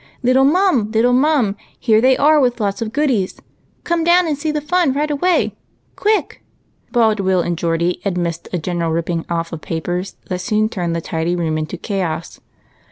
" Little Mum ! little Mum ! here they are with lots of goodies ! Come down and see the fun right away ! quick!" bawled Will and Geordie amidst a general ripping off of papers and a reckless cutting of strings that soon turned the tidy room into a chaos.